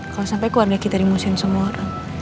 kalau sampai keluarga kita dimusuhin semua orang